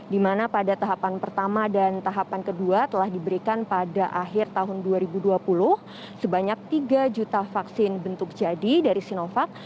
di mana pada tahapan pertama dan tahapan kedua telah diberikan pada akhir tahun dua ribu dua puluh sebanyak tiga juta vaksin bentuk jadi dari sinovac